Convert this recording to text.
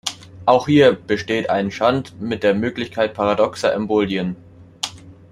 Auch hier besteht ein Shunt mit der Möglichkeit paradoxer Embolien.